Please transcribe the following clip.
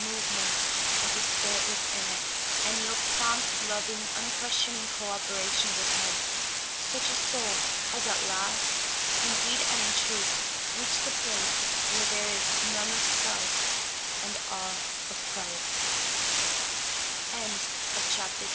movements of the Spirit within it, and 3deld prompt, loving, un questioning co operation with Him. Such a soul has at last, in deed and in truth, reached the place where there is "none of self and a